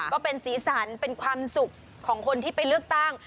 ก็เป็นสีสันเป็นความสุขของคนที่ไปเลือกตั้ง